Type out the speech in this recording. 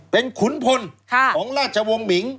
เป็นขุนพลของราชวงศ์หมิง